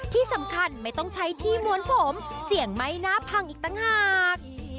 ที่สำคัญไม่ต้องใช้ที่ม้วนผมเสียงไม่น่าพังอีกต่างหาก